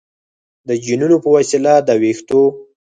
د جینونو په وسیله د ویښتو